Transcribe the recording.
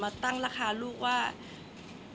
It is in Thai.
แต่ขวัญไม่สามารถสวมเขาให้แม่ขวัญได้